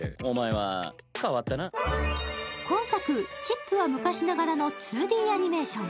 今作、チップは昔ながらの２Ｄアニメーション。